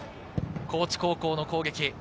高知高校の攻撃。